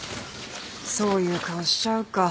そういう顔しちゃうか。